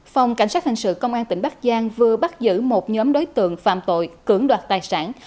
phòng cảnh sát hành sự công an tp hcm vừa bắt giữ một nhóm đối tượng phạm tội cưỡng đoạt tài sản